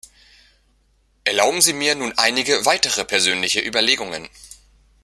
Erlauben Sie mir nun einige weitere persönliche Überlegungen.